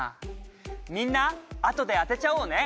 みんなあとで当てちゃおうね。